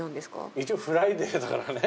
一応、フライデーだからね。